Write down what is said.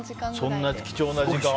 そんな貴重な時間を。